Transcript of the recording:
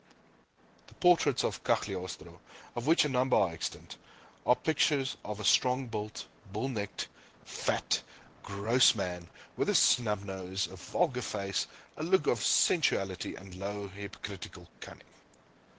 The portraits of Cagliostro, of which a number are extant, are pictures of a strong built, bull necked, fat, gross man, with a snub nose, a vulgar face, a look of sensuality and low hypocritical cunning.